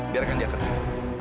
biarkan dia tertawa